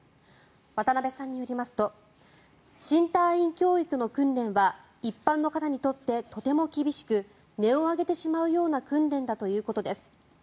渡部さんによりますと新隊員教育の訓練は一般の方にとってとても厳しく音を上げてしまうような訓練だということです。